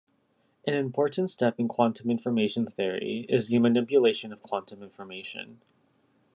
An important step in quantum information theory is the manipulation of quantum information.